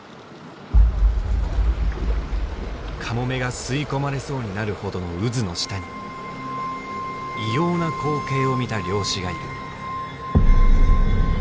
カモメが吸い込まれそうになるほどの渦の下に異様な光景を見た漁師がいる。